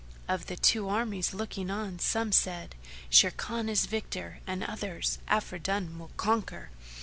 Of the two armies looking on, some said, "Sharrkan is victor!" and others, "Afridun will conquer!"